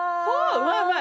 うまいうまい。